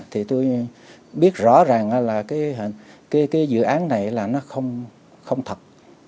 thì tôi biết rõ ràng là cái dự án này là nó không thật